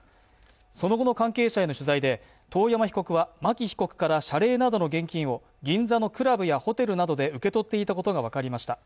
その後の関係者への取材で、遠山被告は牧被告から謝礼などの現金を銀座のクラブやホテルなどで受け取っていたことが分かりました。